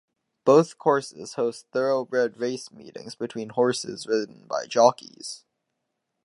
Both courses host thoroughbred race meetings between horses ridden by jockeys.